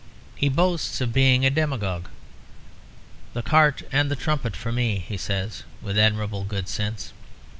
He boasts of being a demagogue; "The cart and the trumpet for me," he says, with admirable good sense.